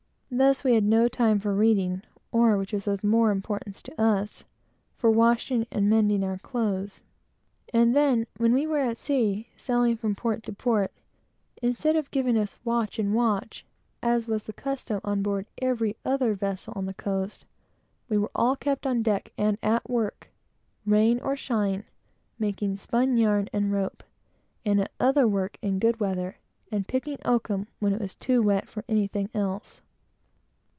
Thus we got no time for reading, or which was of more importance to us for washing and mending our clothes. And then, when we were at sea, sailing from port to port, instead of giving us "watch and watch," as was the custom on board every other vessel on the coast, we were all kept on deck and at work, rain or shine, making spun yarn and rope, and at other work in good weather, and picking oakum, when it was too wet for anything else.